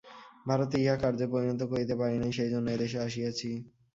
ভারতে ইহা কার্যে পরিণত করিতে পারি নাই, সেইজন্য এদেশে আসিয়াছি।